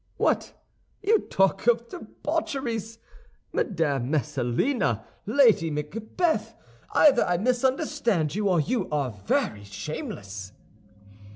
"What, you talk of debaucheries, Madame Messalina, Lady Macbeth! Either I misunderstand you or you are very shameless!"